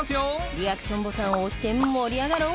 リアクションボタンを押して盛り上がろう！